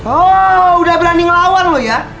oh udah berani ngelawan loh ya